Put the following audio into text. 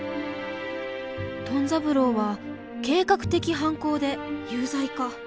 トン三郎は計画的犯行で有罪か。